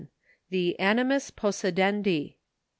The Animus Possidendi.